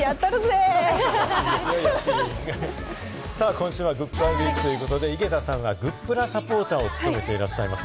今週はグップラウィークということで、井桁さんはグップラサポーターを務めていらっしゃいます。